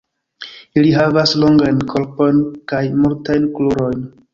Ili havas longajn korpojn kaj multajn krurojn.